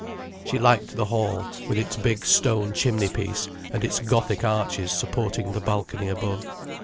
She liked the hall, with its big stone chimney piece and its Gothic arches supporting the balcony above.